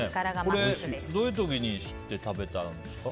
これ、どういう時に知って食べたんですか？